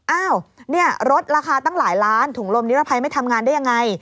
อ้าวเนี่ยลดราคาตั้งหลายล้านถุงลมนิรภัยไม่ทำงานได้ยังไง